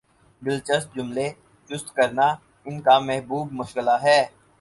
دلچسپ جملے چست کرنا ان کامحبوب مشغلہ ہے